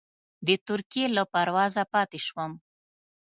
د ترکیې له پروازه پاتې شوم.